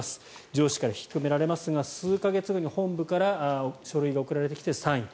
上司から引き止められますが数か月後に本部から書類が送られてきてサイン。